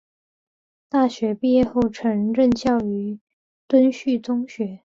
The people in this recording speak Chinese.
大学毕业后曾任教于敦叙中学。